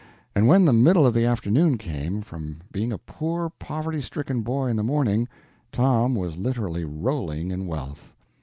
And when the middle of the afternoon came, from being a poor, poverty stricken boy in the morning, Tom was literally rolling in wealth.